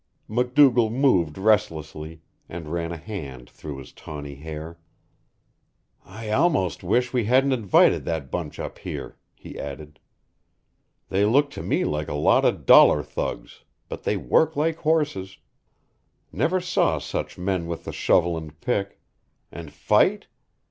MacDougall moved restlessly, and ran a hand through his tawny hair. "I almost wish we hadn't invited that bunch up here," he added. "They look to me like a lot of dollar thugs, but they work like horses. Never saw such men with the shovel and pick. And fight?